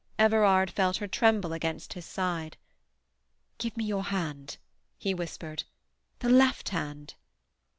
Everard felt her tremble against his side. "Give me your hand," he whispered. "The left hand."